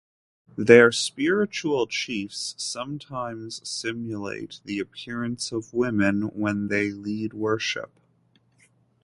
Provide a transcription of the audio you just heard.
Their spiritual chiefs sometimes simulate the appearance of women when they lead worship.